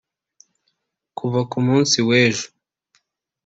Kuva ku munsi w’ejo